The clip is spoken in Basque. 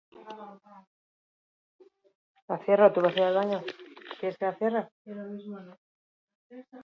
Horrenbestez, kontzertu hartarako sarrerak erosi zituztenek ekaineko zuzenekoan erabili ahal izango dituzte.